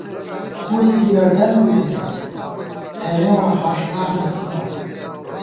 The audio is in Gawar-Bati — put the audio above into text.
پُݪ گِلہ ڈل بِتَنَئیت ہېرېواں ہاݭدار نہ تھِمہ